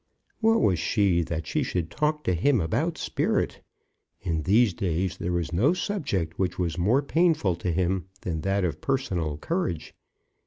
What was she that she should talk to him about spirit? In these days there was no subject which was more painful to him than that of personal courage.